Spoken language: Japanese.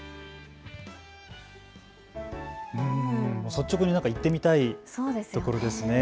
率直に行ってみたい所ですね。